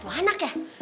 tuh anak ya